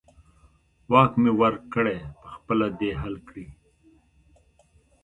واک مې ورکړی، په خپله دې حل کړي.